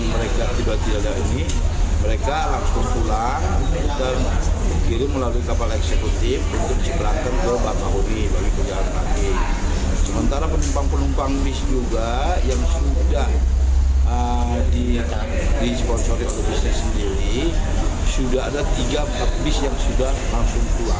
mereka menaiki kapal di dermaga eksekutif setelah menjalani serangkaian proses